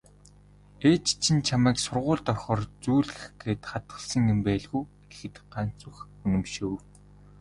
"Ээж чинь чамайг сургуульд орохоор зүүлгэх гээд хадгалсан юм байлгүй" гэхэд Гансүх үнэмшив.